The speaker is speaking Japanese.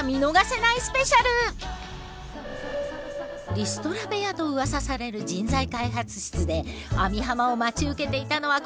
リストラ部屋とうわさされる人材開発室で網浜を待ち受けていたのはこの３人。